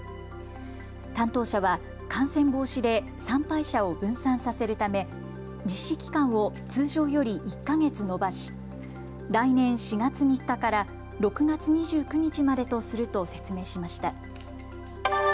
担当者は感染防止で参拝者を分散させるため実施期間を通常より１か月延ばし、来年４月３日から６月２９日までとすると説明しました。